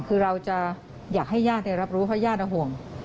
คือเราจะอยากให้ญาติรับรู้เพราะญาติห่วง